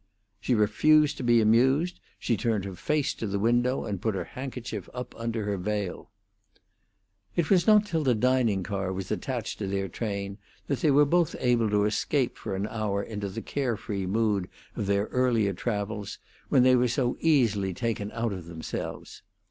She refused to be amused; she turned her face to the window and put her handkerchief up under her veil. It was not till the dining car was attached to their train that they were both able to escape for an hour into the care free mood of their earlier travels, when they were so easily taken out of themselves.